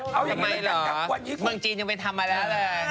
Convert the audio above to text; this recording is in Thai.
ทำไมเหรอเมืองจีนยังไม่ทำอะไร